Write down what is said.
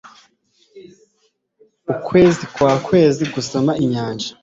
ukwezi kwakwezi gusoma inyanja